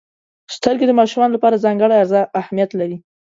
• سترګې د ماشومانو لپاره ځانګړې اهمیت لري.